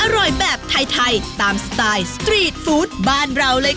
อร่อยแบบไทยตามสไตล์สตรีทฟู้ดบ้านเราเลยค่ะ